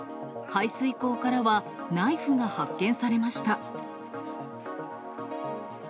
排水溝からはナイフが発見されました。